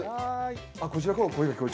こちらから声が聞こえる。